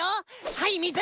⁉はい水！